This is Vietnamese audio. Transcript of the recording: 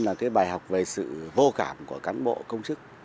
là cái bài học về sự vô cảm của cán bộ công chức